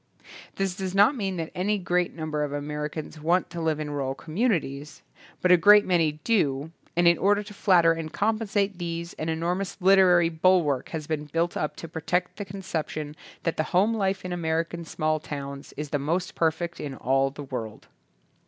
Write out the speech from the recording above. This does not mean that any great number of Americans want to live in rural communities; but a great many do, and in order to flatter and compensate these an enormous lit erary bulwark has been built up to protect the conception that, the home life in American small towns is the most perfect in all the world.